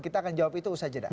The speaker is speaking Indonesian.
kita akan jawab itu usaha jeda